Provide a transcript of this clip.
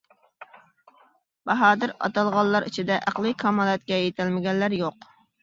باھادىر ئاتالغانلار ئىچىدە ئەقلىي كامالەتكە يېتەلمىگەنلەر يوق.